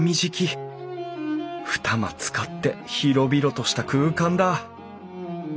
二間使って広々とした空間だ。